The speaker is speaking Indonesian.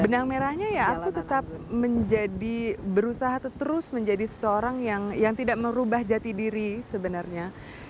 benang merahnya ya aku tetap menjadi berusaha terus menjadi seseorang yang tidak merubah jati diri sebenarnya